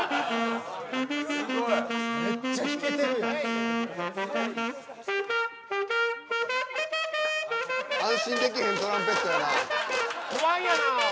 すごいめっちゃ弾けてるやん安心できへんトランペットやな不安やな